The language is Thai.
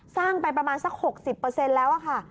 สร้างไปประมาณสัก๖๐แล้วค่ะ